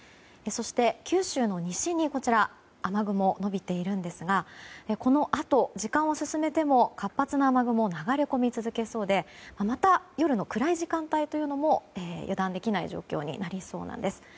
そして、九州の西に雨雲が延びているんですがこのあと、時間を進めても活発な雨雲は流れ込み続けそうでまた夜の暗い時間も油断できない状況になりそうです。